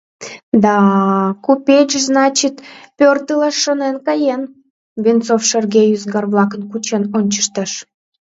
Да-а, купеч, значит, пӧртылаш шонен каен, — Венцов шерге ӱзгар-влакым кучен ончыштеш.